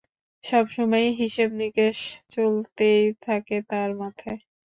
সবসময় হিসেবনিকেশ চলতেই থাকে তার মাথায়!